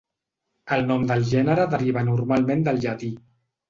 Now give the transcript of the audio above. El nom del gènere deriva normalment del llatí.